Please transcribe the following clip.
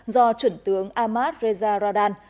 do chuẩn tướng ahmad reza radan